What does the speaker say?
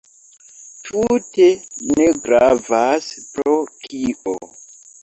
Tute ne gravas, pro kio.